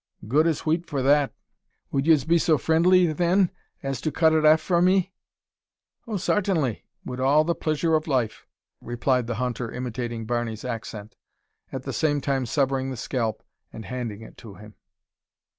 "Good as wheat for that." "Would yez be so frindly, thin, as to cut it aff for me?" "Oh! sartinly, wid all the plizyer of life," replied the hunter, imitating Barney's accent, at the same time severing the scalp, and handing it to him.